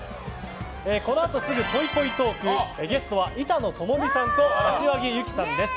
このあとすぐ、ぽいぽいトークゲストは板野友美さんと柏木由紀さんです。